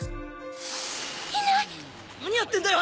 いない⁉何やってんだよ